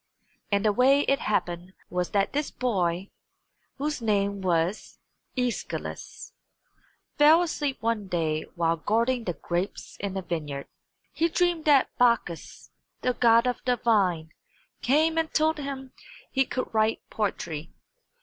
And the way it happened was that this boy, whose name was Æschylus, fell asleep one day while guarding the grapes in a vineyard. He dreamed that Bacchus, the god of the vine, came and told him that he could write poetry.